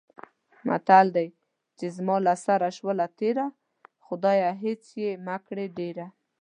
متل دی: چې زما له سره شوله تېره، خدایه هېڅ یې مه کړې ډېره.